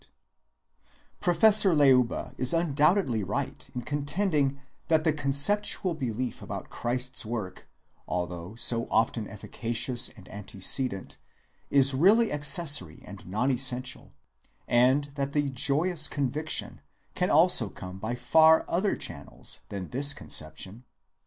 (131) Professor Leuba is undoubtedly right in contending that the conceptual belief about Christ's work, although so often efficacious and antecedent, is really accessory and non‐essential, and that the "joyous conviction" can also come by far other channels than this conception.